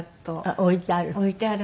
置いてある？